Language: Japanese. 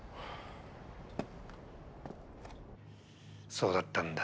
そうだったんだ。